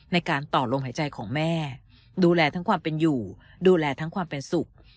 ในการต่อลมหายใจของแม่ดูแลทั้งความเป็นอยู่ดูแลทั้งความเป็นสุข